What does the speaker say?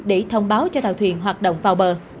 để thông báo cho tàu thuyền hoạt động vào bờ